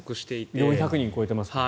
４００人を超えていますからね。